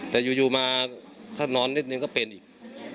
แต่อยู่มาถ้านอนนิดนึงก็เป็นอีก